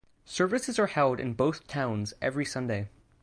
Services are held in both towns every Sunday.